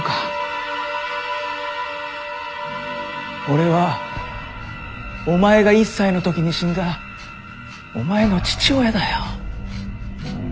俺はお前が１歳の時に死んだお前の父親だよ。